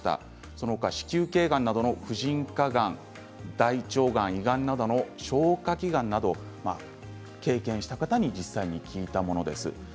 その他、子宮けいがんなどの婦人科がん大腸がん、胃がんなどの消化器官など経験した方に実際に聞いたものです。